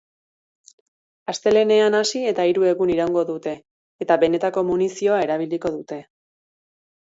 Astelehenean hasi eta hiru egun iraungo dute, eta benetako munizioa erabiliko dute.